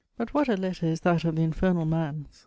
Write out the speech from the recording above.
But what a letter is that of the infernal man's!